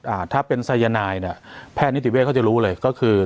อ่าถ้าเป็นสายนายเนี้ยแพทย์นิติเวทเขาจะรู้เลยก็คือ